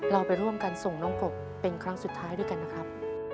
เราไปร่วมกันส่งน้องกบเป็นครั้งสุดท้ายด้วยกันนะครับ